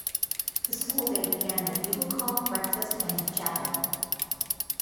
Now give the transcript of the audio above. The school day began with bugle call, breakfast, and chapel.